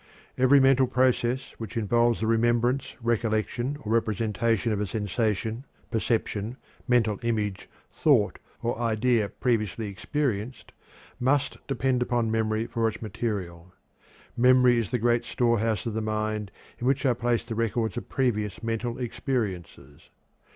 Every mental process which involves the remembrance, recollection, or representation of a sensation, perception, mental image, thought, or idea previously experienced must depend upon memory for its material. Memory is the great storehouse of the mind in which are placed the records of previous mental experiences.